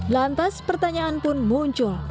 lantas pertanyaan pun muncul